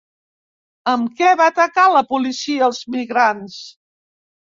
Amb què va atacar la policia als migrants?